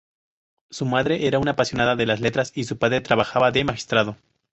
Su madre era una apasionada de las letras y su padre trabajaba de magistrado.